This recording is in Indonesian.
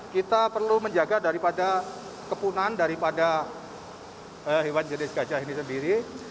kita perlu menjaga daripada kepunan daripada hewan jenis gajah ini sendiri